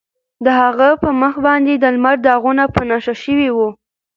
د هغه په مخ باندې د لمر داغونه په نښه شوي وو.